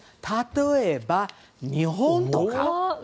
例えば、日本とか。